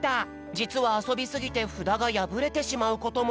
じつはあそびすぎてふだがやぶれてしまうことも。